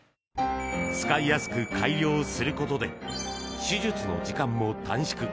使いやすく改良することで手術の時間も短縮。